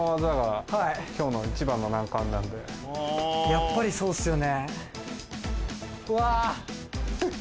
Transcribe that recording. やっぱりそうっすよね。